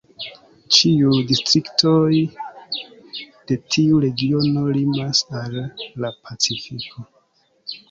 Ĉiuj distriktoj de tiu regiono limas al la pacifiko.